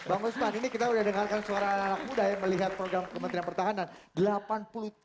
bang usman ini kita sudah dengarkan suara anak anak muda yang melihat program kementerian pertahanan